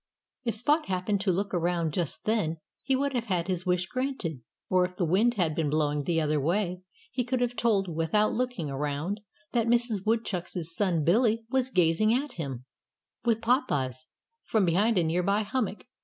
If Spot had happened to look around just then he would have had his wish granted. Or if the wind had been blowing the other way he could have told, without looking around, that Mrs. Woodchuck's son Billy was gazing at him, with popeyes, from behind a near by hummock.